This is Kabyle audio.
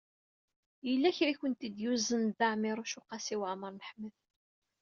Yella kra i akent-id-yuzen Dda Ɛmiiruc u Qasi Waɛmer n Ḥmed.